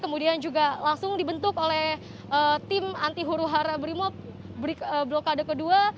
kemudian juga langsung dibentuk oleh tim anti huru hara brimob blokade kedua